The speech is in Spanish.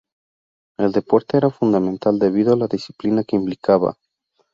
El deporte era fundamental debido a la disciplina que implicaba.